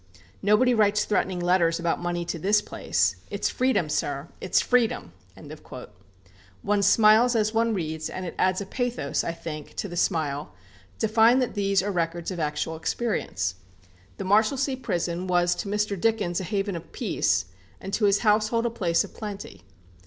Nobody writes threatening letters about money to this place. It's freedom, sir, it's freedom!" One smiles as one reads; and it adds a pathos, I think, to the smile, to find that these are records of actual experience. The Marshalsea prison was to Mr. Dickens a haven of peace, and to his household a place of plenty.